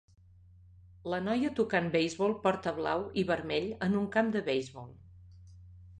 La noia tocant beisbol porta blau i vermell en un camp de beisbol.